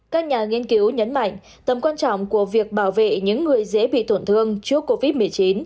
các nhà nghiên cứu nhấn mạnh tầm quan trọng của việc bảo vệ những người dễ bị tổn thương trước covid một mươi chín